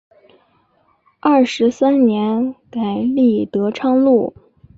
二十三年改隶德昌路。